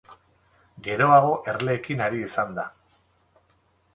Geroago erleekin ari izan da.